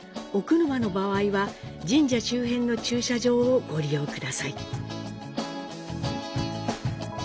お車の場合は、神社周辺の駐車場をご利用ください。